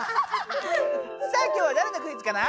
さあ今日はだれのクイズかな？